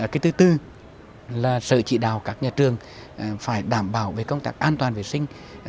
cái thứ tư là sở chỉ đào các nhà trường phải đảm bảo về công tác an toàn vệ sinh